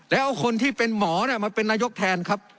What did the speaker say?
แล้วเอาคนที่เป็นหมอมาเป็นนายกแทนครับ